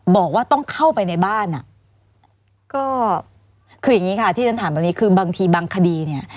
บอกว่าต้องเข้าไปในบ้านอ่ะก็คืออย่างนี้ค่ะที่ฉันถามแบบนี้คือบางทีบางคดีเนี่ย